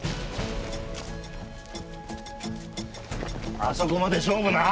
あそこまで勝負な。